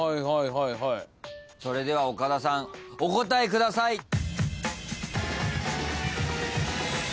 それでは岡田さんお答えください。